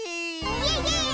イエイイエーイ！